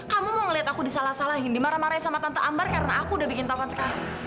kamu mau ngeliat aku disalah salahin dimarah marahin sama tante ambar karena aku udah bikin tahun sekarang